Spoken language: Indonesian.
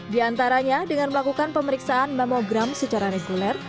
di antaranya dengan melakukan pemeriksaan memogram secara reguler